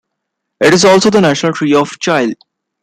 It is also the national tree of Chile.